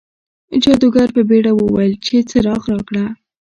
جادوګر په بیړه وویل چې څراغ راکړه.